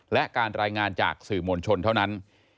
และการรายงานจากสื่อมวลชนเท่านั้น